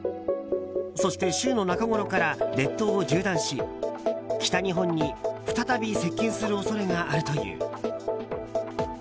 そして、週の中ごろから列島を縦断し北日本に再び接近する恐れがあるという。